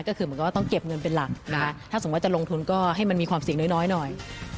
ก็คือเหมือนกับว่าต้องเก็บเงินเป็นหลักนะคะถ้าสมมุติจะลงทุนก็ให้มันมีความเสี่ยงน้อยหน่อย